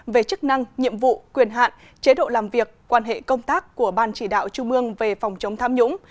về chức năng nhiệm vụ quyền hạn chế độ làm việc quan hệ công tác của ban chỉ đạo trung ương về phòng chống tham nhũng